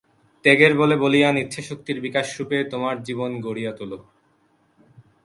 ত্যাগের বলে বলীয়ান ইচ্ছাশক্তির বিকাশরূপে তোমার জীবন গড়িয়া তোল।